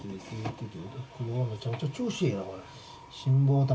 めちゃめちゃ調子いいなこれ。